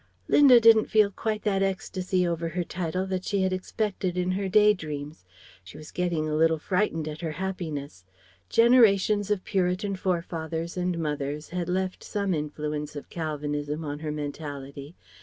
Linda didn't feel quite that ecstasy over her title that she had expected in her day dreams. She was getting a little frightened at her happiness. Generations of Puritan forefathers and mothers had left some influence of Calvinism on her mentality.